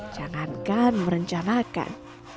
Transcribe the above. jangan kan merencanakan